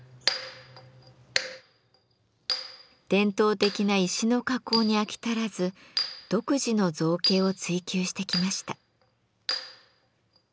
伝統的な石の加工に飽き足らず独自の造形を追求してきました。